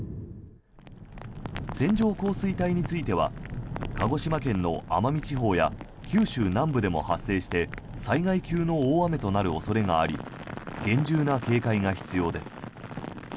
線状降水帯については鹿児島県の奄美地方や九州南部でも発生して災害級の大雨となる恐れがあり厳重な警戒が必要です。